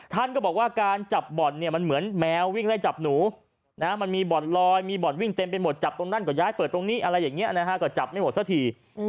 ท่านก็บอกว่าการจับบ่อนเนี่ยมันเหมือนแมววิ่งไล่จับหนูมันมีบ่อนลอยมีบ่อนวิ่งเต็มไปหมดจับตรงนั้นก็ย้ายเปิดตรงนี้อะไรอย่างนี้นะฮะก็จับไม่หมดสักที